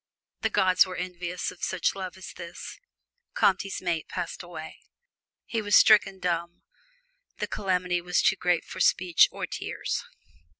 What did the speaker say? The gods were envious of such love as this. Comte's mate passed away. He was stricken dumb; the calamity was too great for speech or tears.